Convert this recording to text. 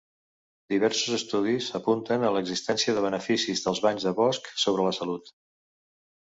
Diversos estudis apunten a l'existència de beneficis dels banys de bosc sobre la salut.